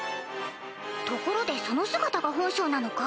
ところでその姿が本性なのか？